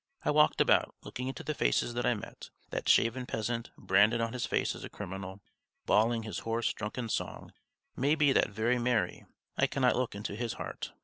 I walked about, looking into the faces that I met. That shaven peasant, branded on his face as a criminal, bawling his hoarse, drunken song, may be that very Marey; I cannot look into his heart.